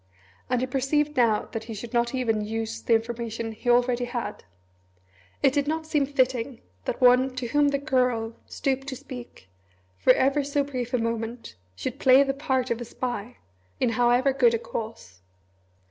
And he perceived now that he should not even use the information he already had. It did not seem fitting that one to whom the Girl stooped to speak, for ever so brief a moment, should play the part of a spy in however good a cause.